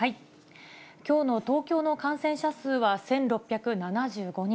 きょうの東京の感染者数は１６７５人。